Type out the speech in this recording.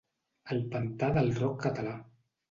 El pantà del rock català.